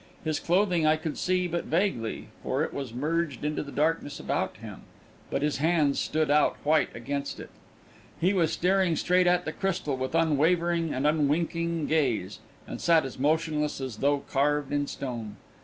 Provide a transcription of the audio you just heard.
His clothing I could see but vaguely, for it was merged into the darkness about him, but his hands stood out white against it. He was staring straight at the crystal, with unwavering and unwinking gaze, and sat as motionless as though carved in stone.